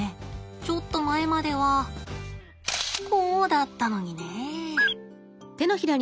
ちょっと前まではこうだったのにねえ。